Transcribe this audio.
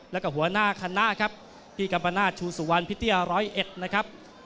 แล้วก็หัวหน้าคณะครับพี่กัมปนาศชูสุวรรณพี่เตี้ยร้อยเอ็ดนะครับ